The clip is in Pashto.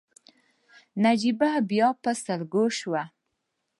نجيبه بيا په سلګيو شوه.